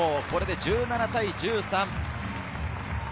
これで１７対１３。